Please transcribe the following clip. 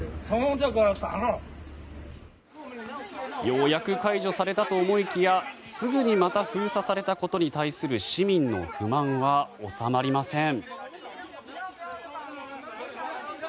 ようやく解除されたと思いきやすぐにまた封鎖されたことに対する市民の不満は収まりません。